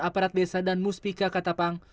aparat desa dan muspika katapang